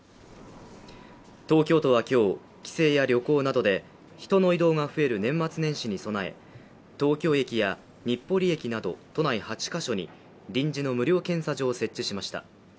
東京都は今日、帰省や旅行などで人の移動が増える年末年始に備え、東京駅や日暮里駅など都内８か所に臨時の無料検査場を設置しました。